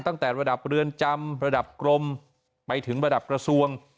ตั้งแต่ระดับเรือนจำระดับกรมไปถึงระดับกระทรวง